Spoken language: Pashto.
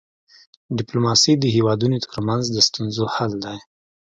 ډيپلوماسي د هيوادونو ترمنځ د ستونزو حل دی.